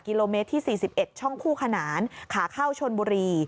กิโลเมตรที่๔๑ช่องคู่ขนานขาเข้าชนบุรี